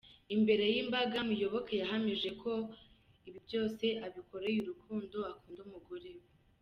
Imbere y’imbaga Muyoboke yahamije ko ibi byose abikoreye urukundo akunda umugore we.